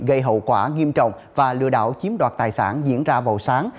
gây hậu quả nghiêm trọng và lừa đảo chiếm đoạt tài sản diễn ra vào sáng